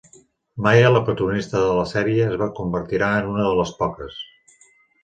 Maia, la protagonista de la sèrie, es convertirà en una de les poques.